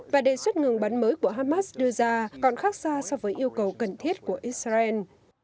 và đề xuất ngừng bắn mới của hamas đưa ra còn khác xa so với yêu cầu cần thiết của israel